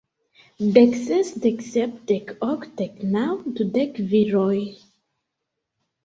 Dek ses, dek sep, dek ok, dek naŭ, dudek viroj!